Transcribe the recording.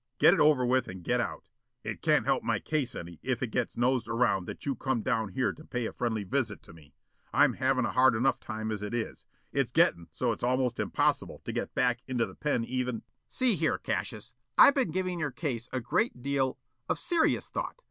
Get it over with and get out. It can't help my case any if it gets noised around that you come down here to pay a friendly visit to me. I'm havin' a hard enough time as it is. It's gettin' so it's almost impossible to get back into the pen even " "See here, Cassius, I've been giving your case a great deal of serious thought.